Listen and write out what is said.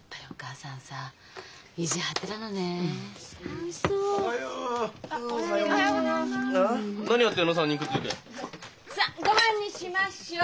さあ御飯にしましょう。